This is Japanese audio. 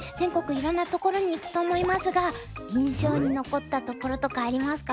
いろんなところに行くと思いますが印象に残ったところとかありますか？